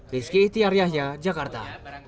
rizky itiaryahnya jakarta